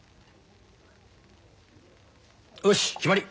よし決まり！